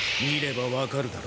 見れば分かる。